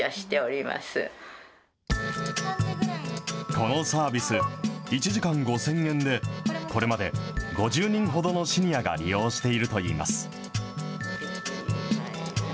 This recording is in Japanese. このサービス、１時間５０００円で、これまで５０人ほどのシニアが利用しているといいます。